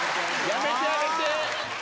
やめてあげて！